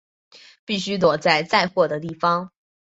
必须躲在载货的地方